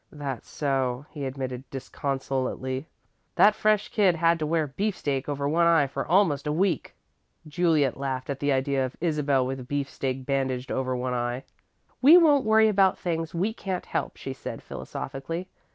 "That's so," he admitted disconsolately. "That fresh kid had to wear beefsteak over one eye for almost a week." Juliet laughed at the idea of Isabel with beefsteak bandaged over one eye. "We won't worry about things we can't help," she said, philosophically.